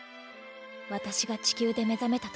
私が地球で目覚めた時。